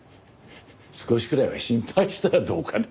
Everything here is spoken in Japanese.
少しくらいは心配したらどうかね。